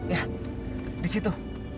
ya di situ